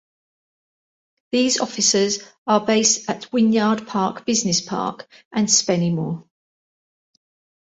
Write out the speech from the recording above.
These officers are based at Wynyard Park Business Park and Spennymoor.